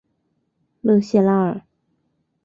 勒谢拉尔。